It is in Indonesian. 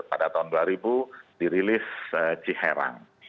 pada tahun dua ribu dirilis ciherang